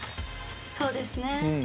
そうですね。